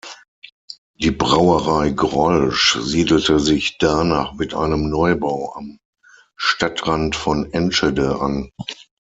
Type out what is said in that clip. Die Brauerei Grolsch siedelte sich danach mit einem Neubau am Stadtrand von Enschede an.